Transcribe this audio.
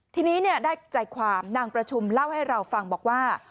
ทีนี้ได้ใจความนางประชุมเล่าให้เราฟังบอกว่า